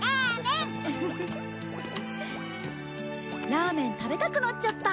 ラーメン食べたくなっちゃった。